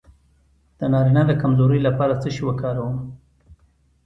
د نارینه د کمزوری لپاره څه شی وکاروم؟